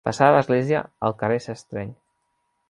Passada l'església el carrer s'estreny.